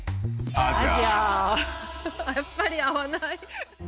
やっぱり合わない。